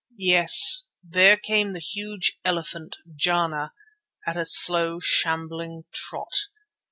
Yes, there came the huge elephant, Jana, at a slow, shambling trot.